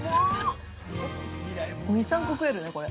◆２３個食えるね、これ。